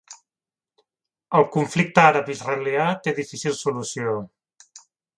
El conflicte àrab-israelià té difícil solució